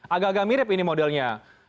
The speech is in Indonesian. agak agak mirip ini modelnya